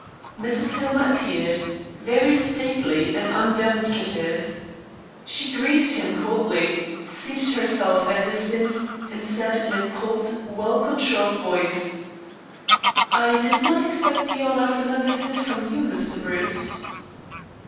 Mrs. Hillmer appeared, very stately and undemonstrative. She greeted him coldly, seated herself at a distance, and said, in a cold, well controlled voice: "I did not expect the honor of another visit from you, Mr. Bruce."